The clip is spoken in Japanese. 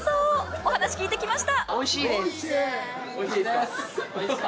お話聞いてきました。